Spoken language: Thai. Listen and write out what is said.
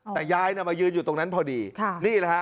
แต่ยายน่ะมายืนอยู่ตรงนั้นพอดีนี่แหละฮะ